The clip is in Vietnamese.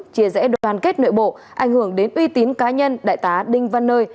chia rẽ đoàn kết nội bộ ảnh hưởng đến uy tín cá nhân đại tá đinh văn nơi